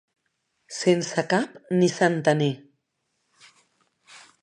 Sense cap ni centener.